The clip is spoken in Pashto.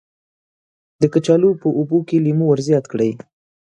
د کچالو په اوبو کې لیمو ور زیات کړئ.